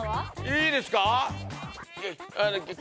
いいですか？